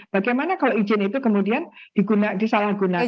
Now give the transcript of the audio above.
bagaimana kalau izin itu kemudian disalahgunakan